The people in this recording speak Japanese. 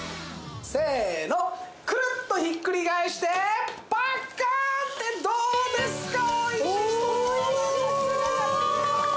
せーのクルッとひっくり返してパッカーンってどうですか？